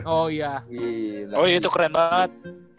oh iya itu keren banget